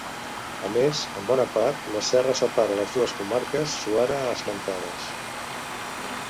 A més, en bona part, la serra separa les dues comarques suara esmentades.